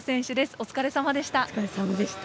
お疲れさまでした。